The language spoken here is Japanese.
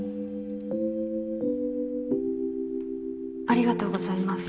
ありがとうございます。